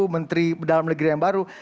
menteri dalam negeri yang baru